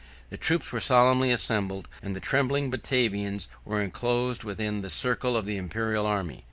The troops were solemnly assembled; and the trembling Batavians were enclosed within the circle of the Imperial army.